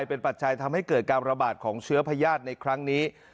เป็นปัจจัยทำให้เกิดการระบาดของเชื้อพญาติในครั้งนี้